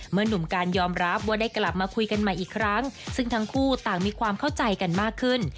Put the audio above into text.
หนุ่มการยอมรับว่าได้กลับมาคุยกันใหม่อีกครั้งซึ่งทั้งคู่ต่างมีความเข้าใจกันมากขึ้น